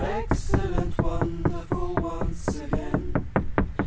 Excellent! Wonderful! Once again!